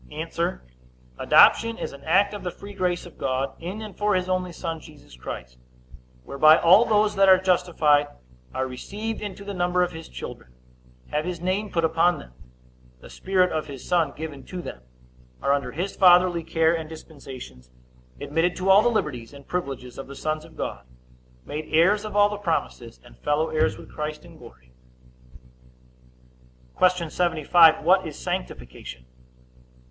A. Adoption is an act of the free grace of God, in and for his only Son Jesus Christ, whereby all those that are justified are received into the number of his children, have his name put upon them, the Spirit of his Son given to them, are under his fatherly care and dispensations, admitted to all the liberties and privileges of the sons of God, made heirs of all the promises, and fellow heirs with Christ in glory. Q. 75. What is sanctification?